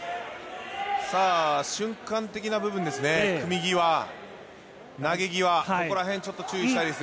さあ、瞬間的な部分ですね、組み際、投げ際、そこらへん、ちょっと注意したいですよ。